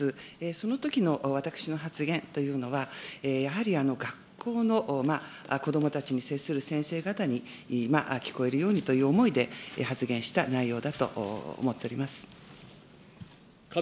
そのときの私の発言というのは、やはり学校の子どもたちに接する先生方に聞こえるようにという思いで発言した内容だと思っております。